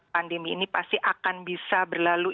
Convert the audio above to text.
pandemi ini pasti akan bisa berlalu